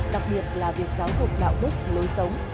đặc biệt là việc giáo dục đạo đức lối sống